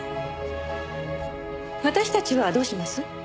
私たちはどうします？